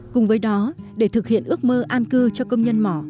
cùng với đó để thực hiện ước mơ an cư cho công nhân mỏ